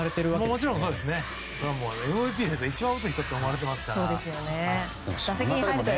ＭＶＰですから一番打つ人って思われていますから。